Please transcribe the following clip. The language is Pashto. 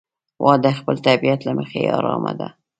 غوا د خپل طبیعت له مخې ارامه ده.